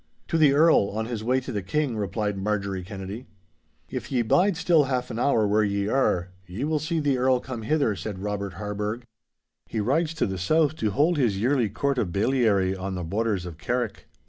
'To the Earl, on his way to the King!' replied Marjorie Kennedy. 'If ye bide still half an hour where ye are, ye will see the Earl come hither,' said Robert Harburgh. 'He rides to the south to hold his yearly Court of Bailiary on the borders of Carrick.